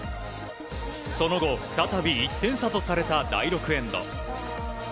その後、再び１点差とされた第６エンド。